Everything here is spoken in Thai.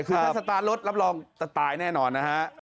คือถ้าสตาร์ทรถรับรองจะตายแน่นอนนะฮะ